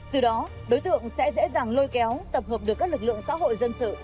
từ đó đối tượng sẽ dễ dàng lôi kéo tập hợp được các lực lượng xã hội dân sự